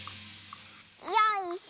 「よいしょ。